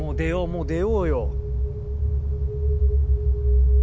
もう出ようよ。